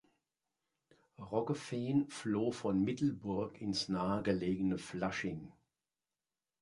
Roggeveen floh von Middelburg ins nahegelegene Flushing.